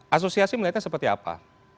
asosiasi melihatnya seperti apa